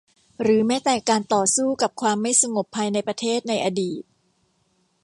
หรือแม้แต่การต่อสู้กับความไม่สงบภายในประเทศในอดีต